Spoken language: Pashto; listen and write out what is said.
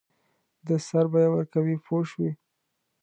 د سر بیه ورکوي پوه شوې!.